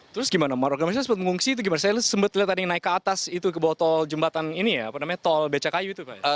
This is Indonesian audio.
terus gimana marga misalnya sempat mengungsi itu gimana saya sempat lihat tadi naik ke atas itu ke botol jembatan ini ya apa namanya tol beca kayu itu pak